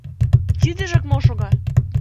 Тидыжак мом шога!